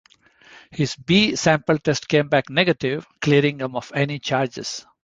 His B sample test came back negative, clearing him of any charges.